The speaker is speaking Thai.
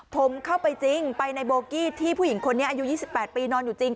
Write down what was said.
ผมเข้าไปจริงไปในโบกี้ที่ผู้หญิงคนนี้อายุ๒๘ปีนอนอยู่จริง